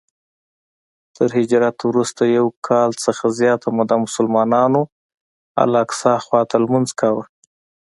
تر هجرت وروسته یو کال نه زیاته موده مسلمانانو الاقصی خواته لمونځ کاوه.